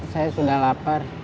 saya sudah lapar